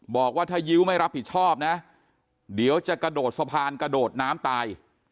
บอกว่าถ้ายิ้วไม่รับผิดชอบนะเดี๋ยวจะกระโดดสะพานกระโดดน้ำตาย